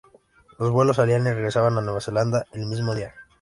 Los vuelos salían y regresaban a Nueva Zelanda el mismo día.